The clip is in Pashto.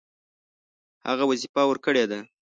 هغه وظیفه ورکړې ده.